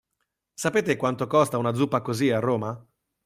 Sapete quanto costa una zuppa così a Roma?